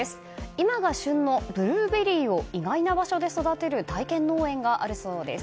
今が旬のブルーベリーを意外な場所で育てる体験農園があるそうです。